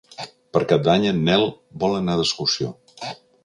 Per Cap d'Any en Nel vol anar d'excursió.